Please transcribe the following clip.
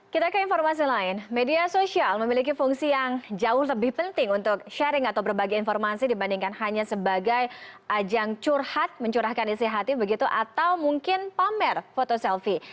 kita ke informasi lain media sosial memiliki fungsi yang jauh lebih penting untuk sharing atau berbagi informasi dibandingkan hanya sebagai ajang curhat mencurahkan isi hati begitu atau mungkin pamer foto selfie